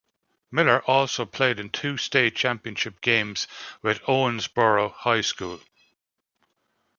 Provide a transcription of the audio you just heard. Miller also played in two state championship games with Owensboro High School.